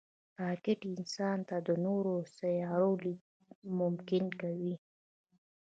راکټ انسان ته د نورو سیارو لید ممکن کوي